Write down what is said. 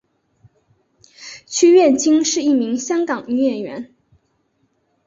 区燕青是一名香港女演员。